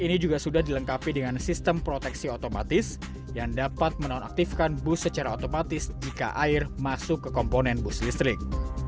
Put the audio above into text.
ini juga sudah dilengkapi dengan sistem proteksi otomatis yang dapat menonaktifkan bus secara otomatis jika air masuk ke komponen bus listrik